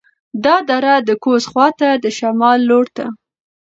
دا دره د کوز خوات د شمال لور ته